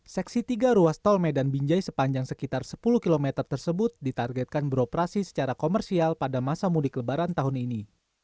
seksi tiga ruas tol medan binjai sepanjang sekitar sepuluh km tersebut ditargetkan beroperasi secara komersial pada masa mudik lebaran tahun ini